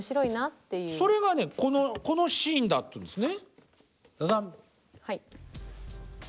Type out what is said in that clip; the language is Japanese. それがねこのシーンだっていうんですね。